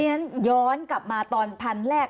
ย้อนกลับมาตอนพันธุ์แรก